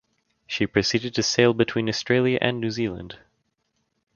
She proceeded to sail between Australia and New Zealand.